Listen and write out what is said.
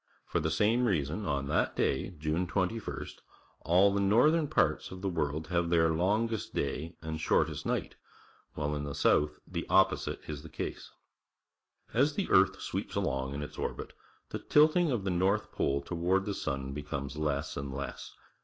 For the same r eason, on that day. June 21 st. aU the northern parts of the world have their longest day and shortest night, while in the south t he op posite i s the case. As the earth sweeps along in its orbit, the tilting of the north pole toward the sun becomes less and less.